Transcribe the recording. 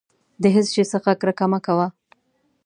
د هېڅ شي څخه کرکه مه کوه.